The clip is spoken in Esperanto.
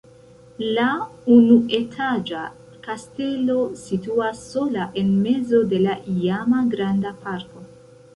La unuetaĝa kastelo situas sola en mezo de la iama granda parko.